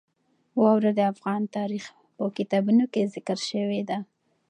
واوره د افغان تاریخ په کتابونو کې ذکر شوی دي.